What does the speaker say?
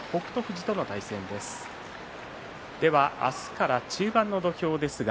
明日から中盤の土俵です。